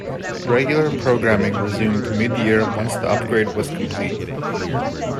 Regular programming resumed mid-year once the upgrade was complete.